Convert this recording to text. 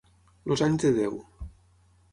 Els anys de Déu.